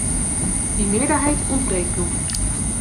Die meerderheid ontbreekt nog.